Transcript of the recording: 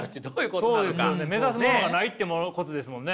そうですよね目指すものがないってことですもんね。